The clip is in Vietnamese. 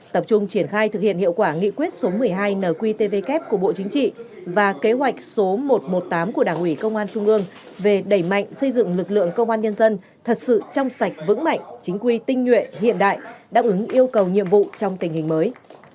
tập trung triển khai thực hiện hiệu quả nghị quyết số một mươi hai nqtvk của bộ chính trị và kế hoạch số một trăm một mươi tám của đảng ủy công an trung ương về đẩy mạnh xây dựng lực lượng công an nhân dân thật sự trong sạch vững mạnh chính quy tinh nhuệ hiện đại đáp ứng yêu cầu nhiệm vụ trong tình hình mới